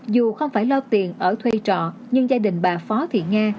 dù không phải lo tiền ở thuê trọ nhưng gia đình bà phó thị nga